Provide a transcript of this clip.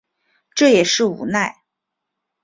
这也是无奈